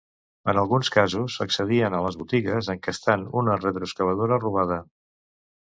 En alguns casos accedien a les botigues encastant una retroexcavadora robada.